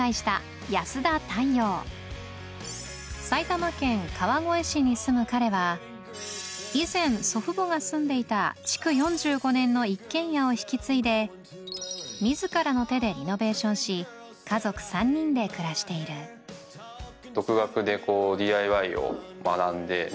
埼玉県川越市に住む彼は以前祖父母が住んでいた築４５年の一軒家を引き継いで自らの手でリノベーションし家族３人で暮らしている独学でＤＩＹを学んで。